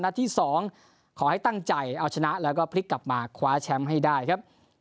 ที่๒ขอให้ตั้งใจเอาชนะแล้วก็พลิกกลับมาคว้าแชมป์ให้ได้ครับ